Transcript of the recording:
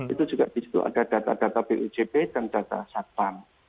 itu juga di situ ada data data pujp dan data satpam